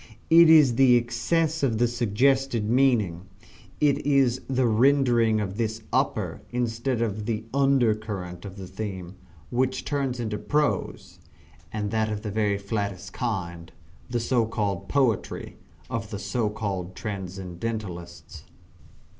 It is the excess of the suggested meaning it is the rendering this the upper instead of the under current of the theme which turns into prose (and that of the very flattest kind), the so called poetry of the so called transcendentalists.